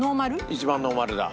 一番ノーマルだ。